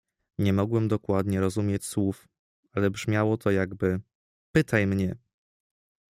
"Nie mogłem dokładnie rozumieć słów, ale brzmiało to jakby: „Pytaj mnie!"